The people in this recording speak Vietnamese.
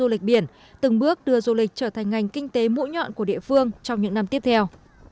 du lịch biển từng bước đưa du lịch trở thành ngành kinh tế mũi nhọn của địa phương trong những năm tiếp theo